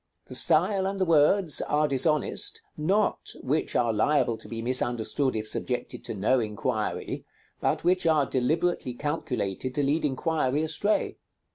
The style and the words are dishonest, not which are liable to be misunderstood if subjected to no inquiry, but which are deliberately calculated to lead inquiry astray.